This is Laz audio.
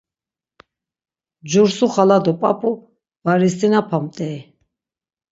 Cursu Xala do p̌ap̌u var isinapamt̆ey.